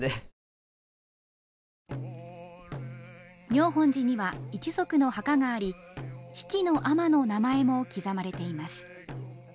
妙本寺には一族の墓があり比企尼の名前も刻まれています。